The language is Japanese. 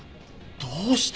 どうして？